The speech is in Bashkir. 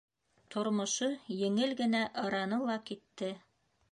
Тормошо еңел генә ыраны ла китте.